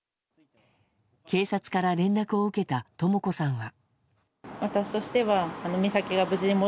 警察から連絡を受けたとも子さんは。